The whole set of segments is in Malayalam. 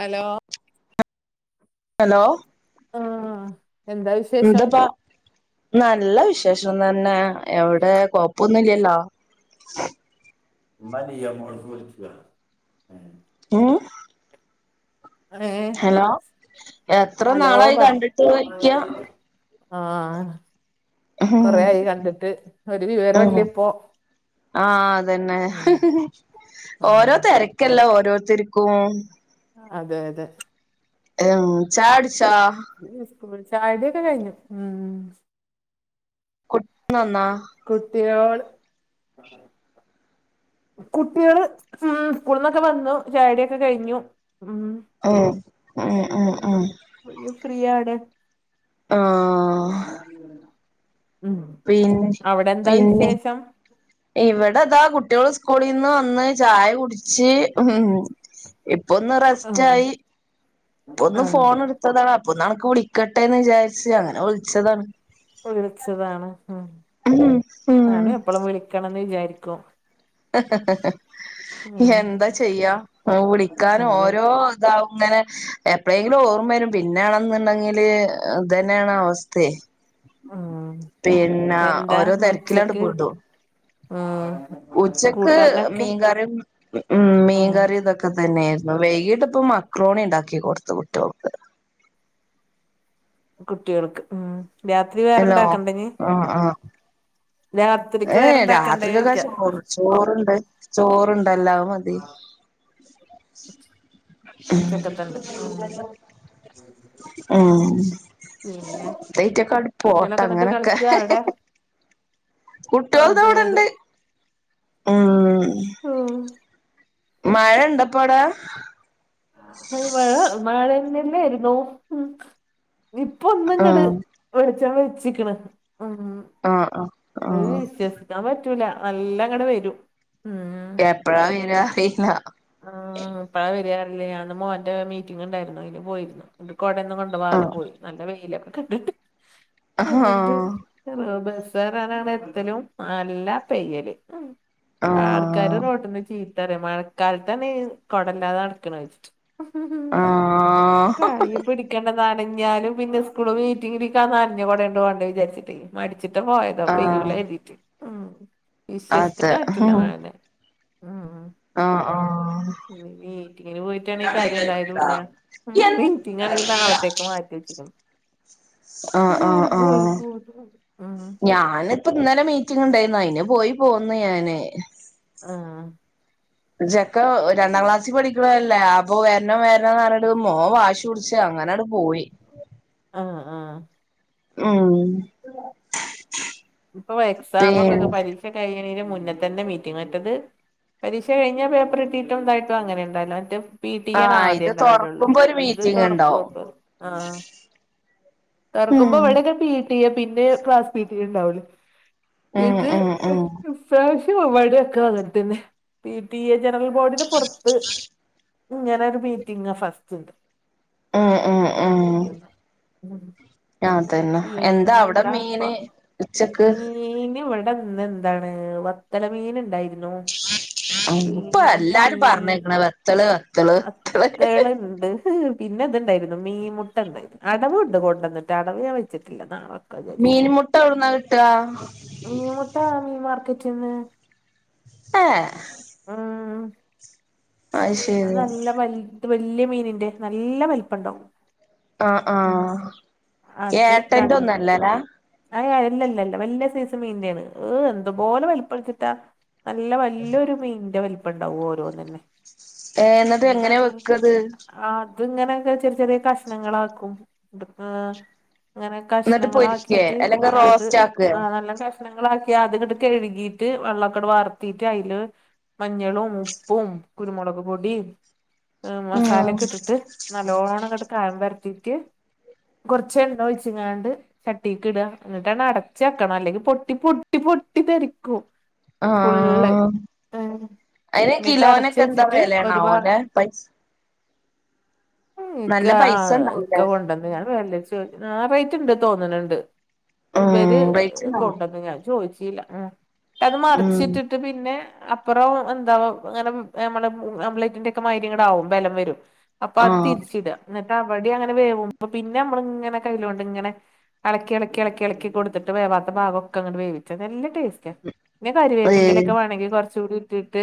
ഹലോ ഹലോ ആഹ് എന്താ വിശ് എന്തപ്പ നല്ല വിശേഷം തന്നെ എവിടെ കൊയപ്പൊന്നും ഇല്ലല്ലോ [inaudible] ഉമ്മ ലിയ മോൾക്ക് വിളിക്കുവാ ഉം ഏഹ് ഏഹ് ഹലോ എത്ര ഹലോ നാളായി പറ കണ്ടിട്ട് [unintelligible] ആഹ് ഉം കൊറെയായി കണ്ടിട്ട് ഒരു വിവരോല്ല ഇപ്പോ ആഅതെന്നെ ഉം ഓരോ ആഹ് തെരക്കല്ലെ ഓരോരുത്തര്ക്കും അതെ അതെ മ് ചായുടിച്ചാ ഇന്ന് സ്കൂൾ ചായുടിക്കെ കഴിഞ്ഞു ആ [unintelligible] കുട്ടിയോൾ കുട്ടികള് ഉ സ്കൂളിന്നൊക്കെ വന്നു ചായടിയൊക്കെ കഴിഞ്ഞു ഉ. ഓ! ഉം. ഉം. ഉം. [unintelligible] ഫ്രീ ആണ് ആ ഉ പിന്നെ അവിടെ എന്താ പിന്നെ വിശേഷം ഇവിടെതാ കുട്ടികൾ സ്കൂളിൽ നിന്ന് വന്ന് ചായ കുടിച്ച് ഉം ഇപ്പൊ ഒന്ന് റെസ്റ്റ് ആഹ് ആയി. പ്പൊന്ന് ആഹ് ഫോണ് എടുത്തതാണ് അപ്പൊന്ന് അനക്ക് വിളിക്കട്ടെന്ന് വിചാരിച്ച് അങ്ങനെ വിളിച്ചതാണ്. വിളിച്ചതാണ് മ് ഉം ഉം ഞാനും എപ്പഴും വിളിക്കണം ന്ന് വിചാരിക്കും. ഉം എന്താ ചെയ്യാ വിളിക്കാൻ അതെ ഓരോ താവുങ്ങനെ എപ്പഴെങ്കിലും ഓർമ്മ വരും പിന്നൊണെന്നുണ്ടെങ്കില് തന്നെയാണ് അവസ്ഥെ ഉം പിന്നെ ഓരോ തിരക്കിലങ്ങട് പോണ്ടു മ് ഉച്ചക്ക് മീൻകറിയും മ് ഉം മീൻകറിയും ഇതൊക് ഒക്കെ തന്നെയായിരുന്നു വൈകിട്ടപ്പൊ മക്രോണി ഉണ്ടാക്കി കൊടുത്തു കുട്ടി ഓൾക്ക്. കുട്ടിയൾക്ക് ഉം. രാത്രി ഹലോ വേറെണ്ടാക്കണ്ടെഞ്ഞ്? ആഹ് ആഹ് രാത്രിക്ക് ഏഹ് വേറെണ്ടാക്കണ്ടേ രാത്രിക്കൊക്കെ [unintelligible] ക്ക. ചോറ് ചോറുണ്ട്. ചോറ്ണ്ടല്ലോ. അത് മതി. മ് ഉച്ചക്കത്തണ്ട് ഉം അ പിന്നെ തെയ്‌റ്റെക്കെ ണ്ട്‌ പോട്ടെ കുട്ടികളൊക്കെ എന്നിട്ട് അങ്ങനൊക്കെ കളിക്കാ അവിടെ കുട്ടിൾ താ അവിടെണ്ട് മ് മഴ ഇണ്ടപ്പവിടാ അഹ് മഴ മഴന്നല്ലേ ന്നു ഇപ്പ ഒന്ന്ങ്ങട് ആഹ് വെളിച്ചാണ ഓയിച്ചിക്കണ് ഉ ആഹ് ഒരു ആഹ് വിശ്വസ് - - ഇടാൻ പറ്റൂല നല്ല ഇങ്ങട് വരും ഉം എപ്പഴാ വരാ അറീല്ല ആ എപ്പഴാ വരിയാ [unintelligible] ഞാന്ന് മോന്റെ മീറ്റിംഗ് ഉണ്ടായിരുന്നു അയിന് പോയിരുന്നു എന്നിട്ട് കോടെന്നും കോണ്ട്‌ വാതെ പോയി നല്ല വെയിലൊക്കെ കണ്ടിട്ട് ആഹ് ആഹ് അന്നിട്ട് ബസ്സ് കയറാൻ അവിടെ എത്തലും നല്ല പെയ്യല് ആർക്കാര് ആഹ് റോട്ന്ന് ചീത്തറിയ മഴക്കാലത്തന്നെ ഈ കൊടല്ലാതെ നടക്കണ് ആഹ് കയ് ഇപിടി ക്ക ണ്ട നനഞ്ഞാലും പിന്നെ സ്കൂള് മീറ്റിങ്ങിലിക്കാ നനഞ്ഞ കൂടേണ്ട പോണ്ട് വിചാരിച്ചിട്ടേ മടിച്ചിട്ട് പോയതോ ആഹ് പെയ്യൂലായിരെതിറ്റ് ഉ അതെ വിശ്വസിക്കാൻ പറ്റൂല്ല മഴനെ മ് മ് ആ ഹ മ് മീറ്റിങ്ങിന് പോയിട്ടാണെ കാര്യം ഇണ്ടായതുല്ല്യ ഉ മീറ്റിങ്ങാണെങ്കി നാളത്തേക്ക് മാറ്റി വെച്ചക്കുന്നു ആ ആ ആ പോയി ഉം ഞാൻ ഇപ്പൊ ഇന്നലെ മീറ്റിംഗ് ഉണ്ടായിരുന്നു അയിന് പോയി പോന്ന് ഞാന് ആ ചെക്കൻ രണ്ടാം ക്ലാസ്സിൽ പഠിക്കണ അല്ലേ അപ്പൊ വരണം വരണം പറ ട്ട് മോൻ വാശി പിടിച് അങ്ങനെ അങ്ങൻട്പോയി. ആഹ് ആഹ് ഉം ഇപ്പൊ എക്സാമ് ഒക്കെ പിന്നെ പരീക്ഷ കഴിണെന് മുന്നെ തന്നെ മീറ്റിംഗ് വച്ചത് പരീക്ഷ കഴിഞ്ഞാൽ പേപ്പർട്ടീട്ടും ഇതായിട്ടും അങ്ങനെ ഉണ്ടാലോ മറ്റും പി ട്ടി യാ ണ് ആഹ് ആദ്യം ഇത് ഉണ്ടാവലുള്ളൂ തുറക്കുമ്പോ ഒരു ഇത് മീറ്റിംഗ് ഉണ്ടാവും തുറക്കുപ്പം ആഹ് തൊറക്കുമ്പോ ഉം ഇവിടെയൊക്കെ പി ടി എ പിന്നെ ക്ലാസ് പി ടി എ ഉണ്ടാവല് ഉം ഇത് ഉം ഉം ഇപ്രാവശ്യം മഴൊക്കെ അങ്ങൻത്തന്നെ പി ടി എ ജനറൽ ബോർഡിന് പൊറത്ത് ഇങ്ങനെ ഒരു മീറ്റിംഗ ഫസ്റ്റ്ണ്ട് ഉം ഉം ആഹ് [unintelligible] ഉം ഞാൻ തൻ പിന്നെന്താപ്പൊ ഉച്ചക്ക് മീൻ ഇവിടന്ന് ന്താണ് വത്തല്മീൻണ്ടായിനു ഇതിപ്പൊ എല്ലാരും മീൻ പറഞ്ഞേക്കണ് വെത്തള് വെത്തള് വത്തളുണ്ട് പിന്നെ ഇതുണ്ടായിന്നു മീൻ മുട്ടണ്ട്. അടവുണ്ട് കൊണ്ടന്നിട്ട് അടവ് ഞാൻ വെച്ചിട്ടില്ല നാളെ മീൻ മുട്ട എവിടുന്നാ കിട്ടാ മീ മുട്ട മീ മാർക്കറ്റിന്ന് ഏഹ് ഉം [unintelligible] അത് നല്ല വൽത് വല്യ മീനിന്റെ നല്ല വലിപ്പംണ്ടാവും ആഹ് ആഹ് ഏട്ടന്റെ ഒന്നും അല്ലലാ [unintelligible] ഇല്ല ഇല്ല ഇല്ല വല്യ സൈസ് മീന്റെയാണ് ഏഹ് എന്തൊ പോലെ വലിപ്പാ വെച്ചിട്ടാ നല്ല വല്ല്യൊരു മീന്റെ വലിപ്പംണ്ടാവും ഓരോന്നന്നെ ഏഹ് എന്നിട്ട് എങ്ങനെ വെക്കത് അത്ങ്ങനെയൊക്കെ ചെറിയ ചെറിയ കഷ്ണങ്ങളാക്കും [unintelligible] അങ്ങനെ എന്നിട്ട് പൊരിക്കേ കഷ്ണങ്ങളാക്കിട്ട് അല്ലെങ്കിൽ അത് റോസ്റ്റ് ആക്കേ ആഹ് നല്ല കഷ് കഷ്ണങ്ങളാക്കി അത്ങ്ങട്ട് കഴുകീട്ട് വെള്ളൊക്ക അങ്ങട് വാർത്തീട്ട് അയില് മഞ്ഞളും ഉപ്പും കുരുമുളക് പൊടീം മസാലൊക്കെ ഇട്ടിട്ട് നല്ലോണംങ്ങട്ട് കായം പെരറ്റീട്ട് കൊറച്ച് എണ്ണ ഒഴിച്ചിങ്ങാണ്ട് ചട്ടിക്ക് ഇട ഇന്നിട്ടൺ അടച്ച് വെക്കണം അല്ലെങ്കി പൊട്ടി പൊട്ടി പൊട്ടി തെറിക്കും ഫുള്ള് ആഹ് അയിന് എന്നിട്ട് അടച്ച് കിലോനക്കെ എന്താ വെച്ചിട്ട് ഒരു വിലേണാവോ ഭാഗം ല്ലേ പൈസ ഉം ഇക്ക നല്ല പൈസ ആഹ് ഉണ്ടാവൂലേ ഇക്ക കൊണ്ട ഞാൻ വെല വെച്ചു ആഹ് റേറ്റ് ഇണ്ട് തോന്നണ് ണ്ട് ഇവര് ഉം റേറ്റ് ഉണ്ടാവും കൊണ്ടന്ന് ഞാൻ ചോയ്ച്ചീല്ല ഉം അത് ഉം മറിച്ചിട്ടിട്ട് ട്ട് പിന്നെ അപ്പറം എന്ത നോ അങ്ങനെ എമ്മളെ ആമ്പ്ലേറ്റ്ന്റെക്കെ മാരിങ്ങട്ട് ആകും. ബലം വരും. അപ്പൊ അത് ആഹ് തിരിച്ചിട ന്ന ട്ട അവടേം അങ്ങനെ വേവും. അപ്പൊ പിന്നെ അമ്മള്ങ്ങനെ കൈയിലോണ്ട് ഇങ്ങനെ എളക്കി എളക്കി എളക്കി എളക്കി കൊടുത്തിട്ട് വേവാത്ത ഭാഗൊക്ക അങ്ങട് വേവിച്ച നല്ല ടേസ് [unintelligible] പിന്നെ കരി ഏ വേപ്പിന്റെലേക്ക വേണെങ്കി കുറച്ച് കൂടി ഇട്ടിട്ട്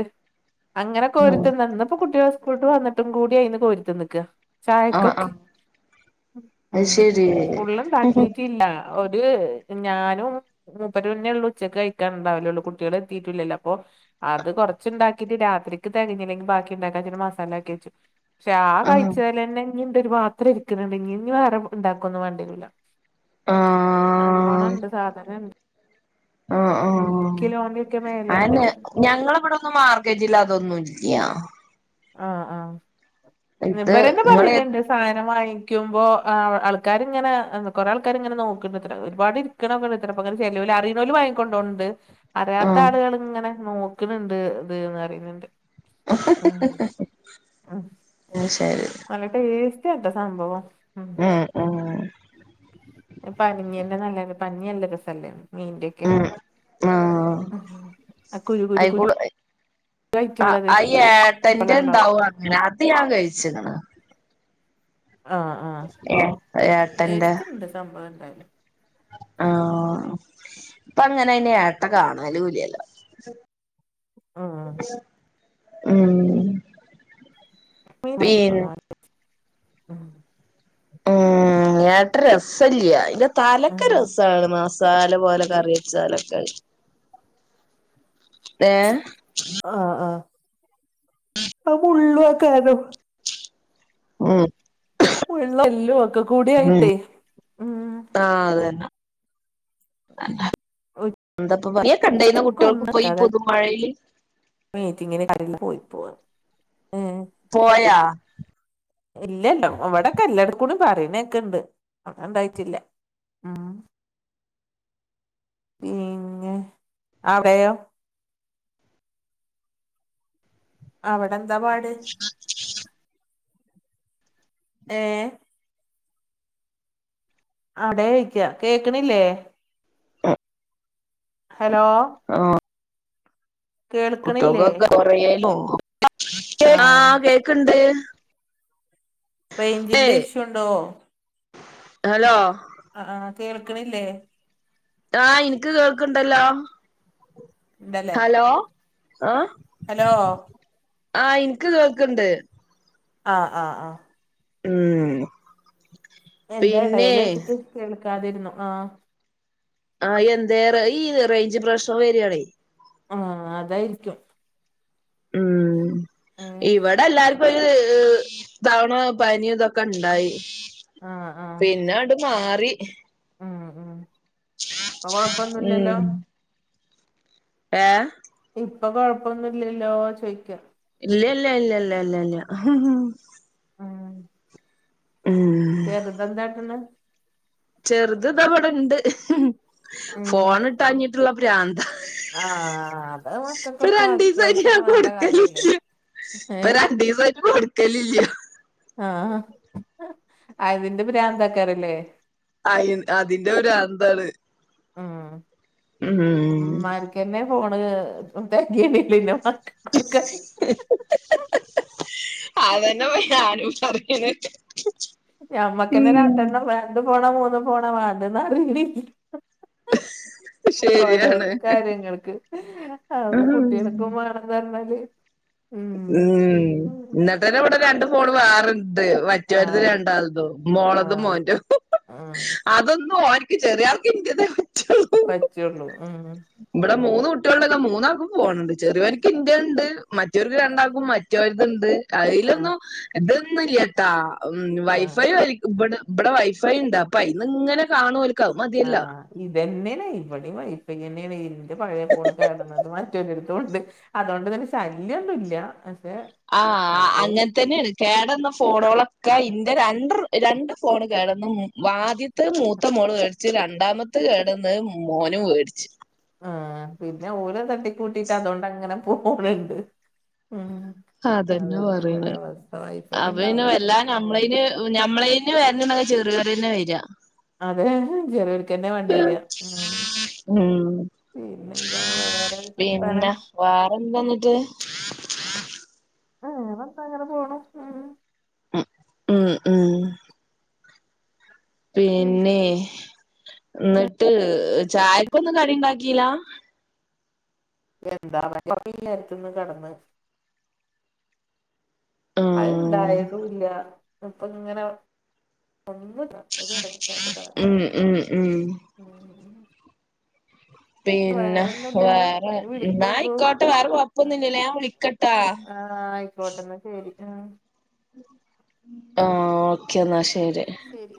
അങ്ങനെ ആഹ് കോരിത്തിന്ന ഇന്ന്പ്പൊ കുട്ടിയേള് സ്കൂള്ട്ട് വന്നിട്ടും കൂടി അയിന്ന് കോരിത്തിന്ന്ക്ക ആഹ് ചായക്കൊക്കെ ആഹ് അത് ഉം ശരി ഫുള്ളും ആഹ് ഇണ്ടാക്കീട്ടില്ല ഒര് ഞാനും മൂപ്പരന്നെയുള്ളൂ ഉച്ചക്ക് കഴിക്കാണ്ടാവലൊള്ളൂ കുട്ടിയേള് എത്തീട്ടില്ലല്ലോ അപ്പൊ അത് കൊറച്ചുണ്ടാക്കിട്ട് രാത്രി ക്ക് തെകഞ്ഞിലെങ്കി ബാക്കിണ്ടാക്കാ മസാല ആക്കി വെച്ചു. പക്ഷെ ആഹ് കഴിച്ചേലെന്നെ ഇഞ്ഞിണ്ട് ഒരു പാത്രം ഇരിക്കണണ്ട്. ഇഞ്ഞി വേറെ ഇണ്ടാക്കൊന്നും വേണ്ടിയേരൂല ആഹ് നല്ലോണംണ്ട് സാധനണ്ട് ഉം കിലോന്റെയൊക്കെ മേലേണ്ട് ഞങ്ങളവിടൊന്നും മാർക്കറ്റിലതൊന്നും ഇല്ല്യ ആഹ് ആഹ് ഇത് ഇവരന്നെ നിങ്ങള് ഏത് പറയ്ന്ന്ണ്ട് സാധനം വാങ്ങിക്കുമ്പോ അ ആൾക്കാര് ഇങ്ങന കൊറേ ആൾക്കാര് ഇങ്ങനെ നോക്ക്ണ്ട് ത്രെ ഒരുപാട് [unintelligible] ചെലോല് അറീണോല് വാങ്ങി കൊണ്ടോണ് ണ്ട്‌ അറിയാത്ത ആളുകൾ ആഹ് ഇങ്ങനെ നോക്ക്ണണ്ട് ഇത് പറീണ് ണ്ട് ഉം ഉം എന്നാ ശരി നല്ല ടേസ്റ്റ് ആട്ടോ സംഭവം ഉം ഏഹ് എഹ്. പനിയെല്ലാം നല്ല പനില്ല രസംല്ലേ മീന്റെ ഒക്കെ ഉം ഉം ആ കുരു കുരു അയ്ക്കൂ കുരു അയിക്കൂ ആ ആയിട്ടുള്ളത് അയ അപ്പല ഉണ്ടാവും ഏട്ടന്റെണ്ടാവും അങ്ങനെ അത് ഞാൻ കഴിച്ചിന്ന് ആഹ് ആഹ് ഏഹ് ഏട്ടന്റെ ടേസ്റ്റ്ണ്ട് സംഭവം എന്തായാലും ആഹ് ഇപ്പങ്ങനെ അയി ഏട്ട കാണലൂലല്ലോ ഉം ഉം മീൻ പീ വാങ്ങിക്കൊണ്ടു വന്നു. ഉം ഏട്ട രസല്ല അയ്ന്റെ തലക്ക ഉം രസാണ് സാല പോലെ കറ്യച്ചാലൊക്കെ. ഏഹ്. ആഹ് ആഹ് അ മുള്ള്വക്കാരം. ഉം മുള്ളെല്ലൂ ഒക്കെക്കൂടി ആയിട്ടേ. ഉം ആഹ് അത് തന്ന എന്തപ്പ പറ കണ്ടെയിന്നു ഉച്ചക്ക് കുട്ടികൾക്ക് പോയി ഈ ഒന്നക്കാതെ പൊതുമഴയിൽ മീറ്റിങ്ങിന് കടെൽന്ന് പോയി പോവാ ഏഹ്. പോയാ ഇല്ലല്ലോ വടൊക്കെ എല്ലാട്ക്കൂടി പറിണേക്ക്ണ്ട് അവിടെണ്ടായ്റ്റില്ല. ഉം പിന്നെ അവ്ടെയോ. അവടെന്താ പാട്. ഏ അടെയ്ക്ക്യ കേക്കണില്ലേ ഹലോ. ആഹ്. കേൾക്കണില്ലേ കുട്ടികക്കൊക്കെോ [unintelligible] ആഹ് കേക്കണ്ട് റയ്ഞ്ചിന്റെ ഇഷ്യൂ ഉണ്ടോ ഹലോ. അ ആ കേൾക്കണില്ലേ ആഹ് ഇൻക്ക് കേക്ക്‌ണ്ടല്ലോ ഇണ്ടല്ലേ ഹലോ ആഹ്. ഹലോ. ആഹ് ഇൻക്ക് കേൾക്ക്ണ്ട്. ആഹ് ആഹ് ആഹ്. ഉം പിന്നെ എന്റെടെയില് വെച്ച്ട്ട് കേൾക്കാതിര്ന്നു ആഹ്. ആഹ് എന്തേ റെ ഈ റെയ്ഞ്ച് പ്രശ്നം വര്യാണേ. ആം അതായിരിക്കും ഉം ഇവടെല്ലാർ- പ്പഴ് തവണ പനി തൊക്കെണ്ടായി ആഹ് ആഹ് പിന്നണ്ട്. മാറി. ഉം ഉം അൊ കൊഴപ്പൊന്നുംല്ലല്ലോ ഉം ഏഹ്. ഇപ്പൊ കൊഴപ്പൊന്നുംല്ലല്ലോ ചോയ്ക്ക ഇല്ല ല്ല ഇല്ല ഇല്ല ഇല്ല ഇല്ല. ആഹ്. ഉം [unintelligible] തെന്താട്ട്ണ്. ചെറുത് തവിടെണ്ട് ഉം ഫോണ ഇട്ടാഞ്ഞി്ട്ട് ള്ള ഭ്രാന്ത. ആഹ്. പ്പം മക്കൾക്കൊക്കെ രണ്ടിസായിട്ട് അത്യാവശ്യം ഞാൻ വേണ്ട കാര്യല്ലേ കൊടുക്കലില്ല പ്പം ഏഹ് രണ്ടിസായിട് കൊടു കല്ലില്ല ആഹ് അതിന്റെ ഭ്രാന്തആകാരല്ലേ അ അതിന്റെ ഭ്രാന്താണ്. ഉം ഉ ഉം മ എന്നെ ഫോൺ ഇതാകിലെനോ മക്കൾക്കും കൊടുക്കാൻ അതെന്നെപ്പോ ഞാനും പറയ്ണത് നമ്മക്കെന്നെ രണ്ടെണ്ണം രണ്ട് ഫോണോ മൂന്ന് ഫോണോ വാണ്ടിന്ന്അറിയേണില്ല ശരിയാണ് ഓരോരോ കാര്യങ്ങൾക്ക് അതു ഉം കുട്ടികൾക്കും വേണന്ന് പറഞ്ഞാല് ഉം ഇന്നിട്ടന്നെ ഇവിടെ രണ്ട് ഫോൺ വേറണ്ട് മറ്റൊരുത് ആഹ് രണ്ടാളുത്തും മോളതും ആഹ് മോന്റതും ഉം അതൊന്നും ഓന്ക് ചെറിയൾക് ഇന്റത്തെ പറ്റുള്ളൂ പച്ചേള്ളൂ ഉം [unintelligible] ഇവിടെ മൂന്ന് കുട്ടികളുണ്ടെങ്കി മൂന്നാകും ഫോണുണ്ട് ചെറിയാൾക് ഇന്റെണ്ട് മറ്റൊര്ക് രണ്ടാൾക്കും മ മറ്റൊരുത്ണ്ട് ആഹ് അതിലൊന്നും ഇതൊന്നും ഇല്ലാട്ടാ ആഹ് വൈഫൈ വലി ഇബടെ ഇബടെ വൈഫൈ ഉണ്ട് അപ്പം അയിന്ന് ഇങ്ങനെ കാണുഓല് ആഹ് ഇതന്നെണ് ഇവിടെയും വൈഫൈതന്നെണ് ഇന്റെ പഴയ ഫോൺ കേടന്നത് മറ്റൊന്റെടുത്ത് കൊടുത്ത് അതുകൊണ്ട് തന്നെ ശല്യംന്നും ഇല്ല പക്ഷെ. ആഹ് വൈഫൈ അങ്ങൻതന്നെണ് കേടുന്ന ഫോണുകളൊക്കെ ഇന്റെ രണ്ട് രണ്ട് ഫോൺ കേടുന്ന് വാ ത്തെ മൂത്ത മോള് മേടിച് രണ്ടാമത്തെ കേടന്ന് മോനും മേടിച്ചു ആ പിന്നെ ഓലത് തട്ടി കൂട്ടിട്ട് അതൊണ്ട് അങ്ങനെ പോകണ്‌ണ്ട് ഉ അതന്നെ ഇവിടെ അവസ്ഥ വൈഫൈ ഉണ്ടാവകുമ്പോ പിന്നെ പറയേണ്ടെ ഓ ഞമ്മളേന് വരുന്നുണ്ടെങ്കിൽ ചെറിയോർ തന്നെ വെര അതെ ചെ കെന്നെ വാണ്ടിവെര ഉം പിന്നെ എന്താ വേറെ വർത്താനം വേറെന്താന്നട്ട് വേറെന്താ അങ്ങനെ പോണു. ഉ ഉം ഉം ഉം പിന്നെ ന്നട്ട് ചായക്കൊന്നും കടി ഉണ്ടാക്കില്ല [unintelligible] എന്താല്ലരത്തന്ന് കിടന്ന് ആഹ് അത്ണ്ടായതുല്ല ഇപ്പൊ ഇങ്ങനെ ഒന്നുതാ ഉം ഉം ഉം ഉം പിന്നെ വേറെന്നുല്ലല്ലോ വേറൊ ഇനി വിളിക്കോണ്ടു ന്നായിക്കോട്ടെ വേറെ കൊയപ്പന്നുയില്ലലോ ഞാൻ വിളിക്കട്ടാ ആഹ് ആയിക്കോട്ടന്നാ ശരി ഉ ആഹ ഓക്കേ എന്നാ ശരി ആ ശരി